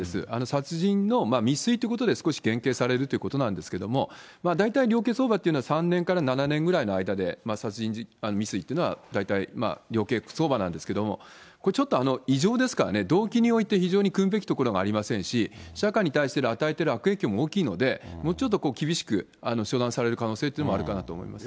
殺人の未遂ということで、少し減刑されるということなんですけれども、大体、量刑相場っていうのは３年から７年ぐらいの間で殺人未遂っていうのは、大体、量刑相場なんですけれども、これちょっと異常ですからね、動機において非常にくむべきところもありませんし、社会に対しての与えてる悪影響も大きいので、もうちょっと厳しく処断される可能性というのもあるかと思いますね。